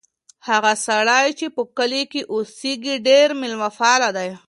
هغه سړی چې په کلي کې اوسیږي ډېر مېلمه پال دی.